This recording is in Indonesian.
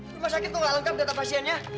rumah sakit kok gak lengkap data pasiennya